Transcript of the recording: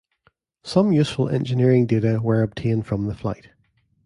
Some useful engineering data were obtained from the flight.